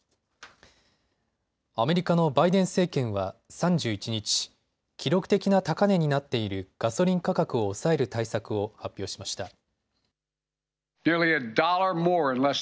アメリカのバイデン政権は３１日、記録的な高値になっているガソリン価格を抑える対策を発表しました。